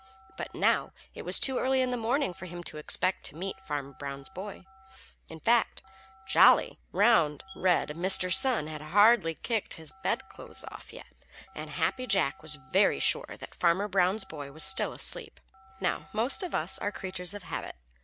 But now it was too early in the morning for him to expect to meet Farmer Brown's boy. In fact, jolly, round, red Mr. Sun had hardly kicked his bedclothes off yet, and Happy Jack was very sure that Farmer Brown's boy was still asleep. Now most of us are creatures of habit.